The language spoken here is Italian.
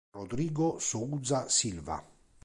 Rodrigo Souza Silva